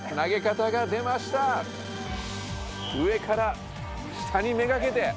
上から下に目がけて！